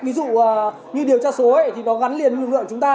ví dụ như điều tra số ấy thì nó gắn liền với lượng chúng ta